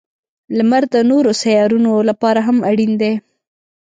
• لمر د نورو سیارونو لپاره هم اړین دی.